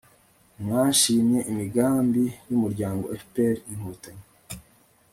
mwashimye imigambi by'umuryango fpr-inkotanyi